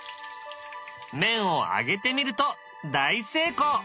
麺を揚げてみると大成功。